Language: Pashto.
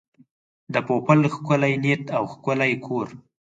د پوپل ښکلی نیت او ښکلی کور.